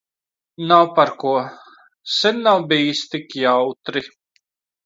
Nav par ko. Sen nav bijis tik jautri.